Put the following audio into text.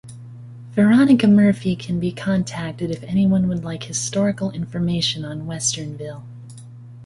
Veronica Murphy can be contacted if anyone would like historical information on Westernville.